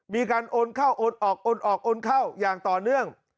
มีการโอนเข้าโอนออกโอนออกโอนเข้าอย่างต่อเนื่อง